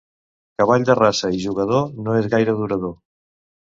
Cavall de raça i jugador no és gaire durador.